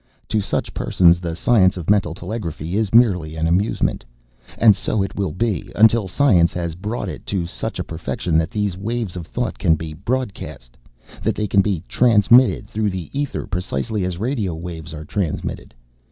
To such persons, the science of mental telegraphy is merely an amusement. "And so it will be, until science has brought it to such a perfection that these waves of thought can be broadcast that they can be transmitted through the ether precisely as radio waves are transmitted.